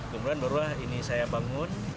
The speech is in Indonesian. kemudian barulah ini saya bangun